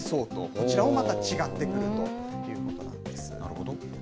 こちらもまた違ってくるというこなるほど。